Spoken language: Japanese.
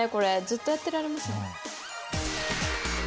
ずっとやってられますね。